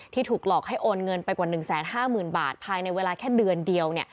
ถูกหลอกให้โอนเงินไปกว่า๑๕๐๐๐บาทภายในเวลาแค่เดือนเดียว